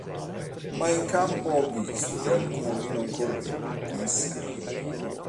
Ma in campo ho visto che alcuni non correvano come sempre.